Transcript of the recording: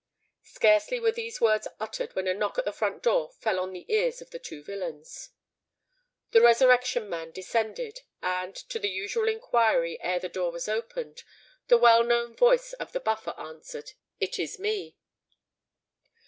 Scarcely were these words uttered, when a knock at the front door fell on the ears of the two villains. The Resurrection Man descended; and, to the usual inquiry ere the door was opened, the well known voice of the Buffer answered, "It is me."